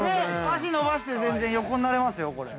◆足を伸ばして、全然、横になれますよ、これ。